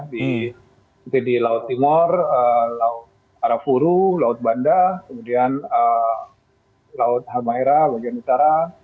seperti di laut timur laut arafuru laut banda kemudian laut hamahera bagian utara